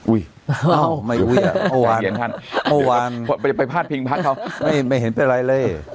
อุ้ยเอ้าไม่อุ้ยอ่ะเข้าวานเข้าวานไปไปพลาดพิงพักเขาไม่ไม่เห็นเป็นไรเลย